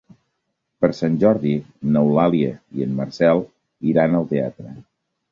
Per Sant Jordi n'Eulàlia i en Marcel iran al teatre.